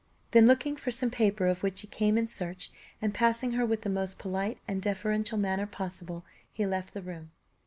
Then looking for some paper of which he came in search, and passing her with the most polite and deferential manner possible, he left the room.